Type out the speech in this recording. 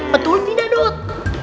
betul tidak dot